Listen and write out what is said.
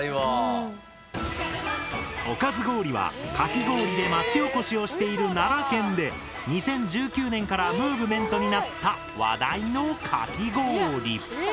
おかず氷はかき氷で町おこしをしている奈良県で２０１９年からムーブメントになった話題のかき氷！